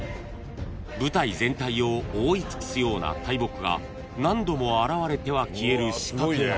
［舞台全体を覆い尽くすような大木が何度も現れては消える仕掛けが］